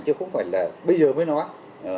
chứ không phải là bây giờ mới nói